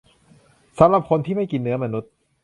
สำหรับคนที่ไม่กินเนื้อมนุษย์